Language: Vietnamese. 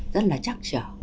rất là chắc chở